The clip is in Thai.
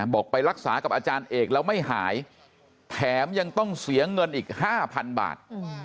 ไปรักษากับอาจารย์เอกแล้วไม่หายแถมยังต้องเสียเงินอีก๕๐๐๐บาท